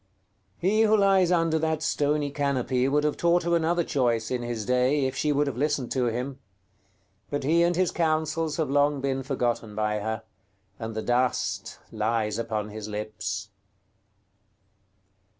§ XVIII. He who lies under that stony canopy would have taught her another choice, in his day, if she would have listened to him; but he and his counsels have long been forgotten by her, and the dust lies upon his lips.